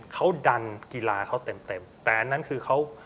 เขาดันกีฬาเขาเต็มเต็มแต่อันนั้นคือเขา